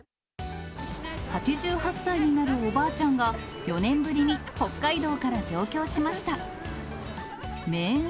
８８歳になるおばあちゃんが、４年ぶりに北海道から上京しました。